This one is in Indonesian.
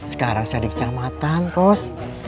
sekarang sedek camatan kos